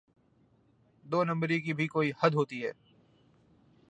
دو نمبری کی بھی کوئی حد ہوتی ہے۔